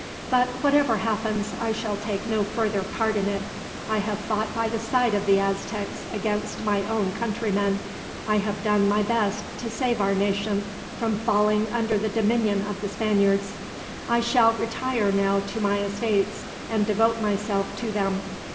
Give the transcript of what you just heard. "But whatever happens, I shall take no further part in it. I have fought by the side of the Aztecs against my own countrymen. I have done my best to save our nation from falling under the dominion of the Spaniards. I shall retire now to my estates, and devote myself to them.